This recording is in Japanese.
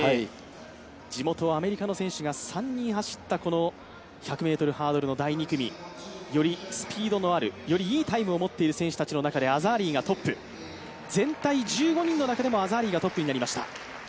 地元アメリカの選手が３人走った１００ｍハードルの第２組。よりスピードのあるよりいいタイムを持っている組の中でアザーリーがトップ、全体１５人の中でもアザーリーがトップになりました。